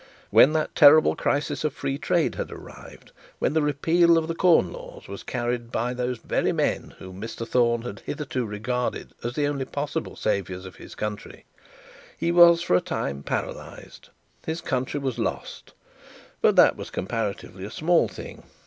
When that terrible crisis of free trade had arrived, when the repeal of the corn laws was carried by those very men whom Mr Thorne had hitherto regarded as the only possible saviours of his country, he was for a time paralysed. His country was lost; but that was comparatively a small thing.